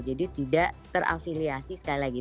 jadi tidak terafiliasi sekali lagi